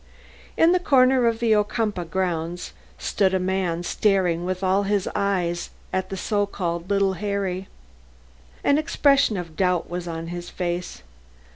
In the corner of the Ocumpaugh grounds stood a man staring with all his eyes at the so called little Harry. An expression of doubt was on his face.